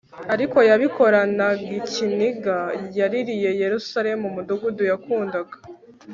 ariko yabikoranagikiniga Yaririye Yerusalemu umudugudu yakundaga